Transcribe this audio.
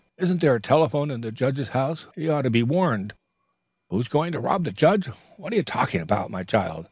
Isn't there a telephone in the judge's house? He ought to be warned." "Who's going to rob the judge? What are you talking about, my child?"